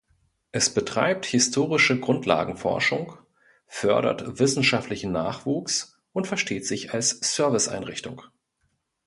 Es betreibt historische Grundlagenforschung, fördert wissenschaftlichen Nachwuchs und versteht sich als Serviceeinrichtung.